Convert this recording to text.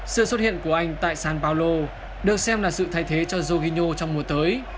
sự xuất hiện của anh tại san paolo được xem là sự thay thế cho jorginho trong mùa tới